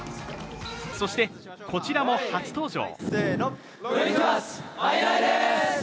そして、こちらも初登場。